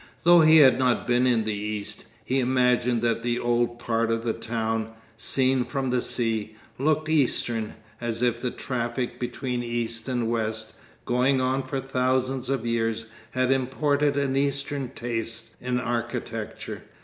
Though he had not been in the East, he imagined that the old part of the town, seen from the sea, looked Eastern, as if the traffic between east and west, going on for thousands of years, had imported an Eastern taste in architecture.